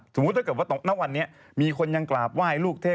สมมุติว่าวันนี้มีคนยังกราบว่ายลูกเทพ